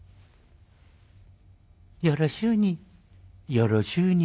「よろしゅうに。